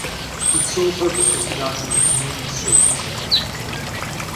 Its sole purpose was to document the Moon's surface.